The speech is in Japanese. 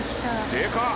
でかっ！